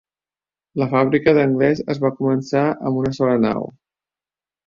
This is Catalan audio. La fàbrica d'Anglès es va començar amb una sola nau.